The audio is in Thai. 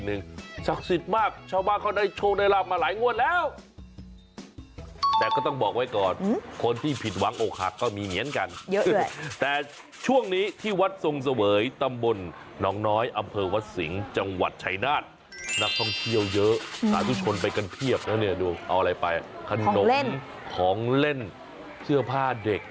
เอาอะไรไปของเล่นเสื้อผ้าเด็ก